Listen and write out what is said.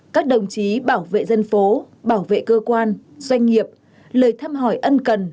các đồng chí bảo vệ dân phố bảo vệ cơ quan doanh nghiệp lời thăm hỏi ân cần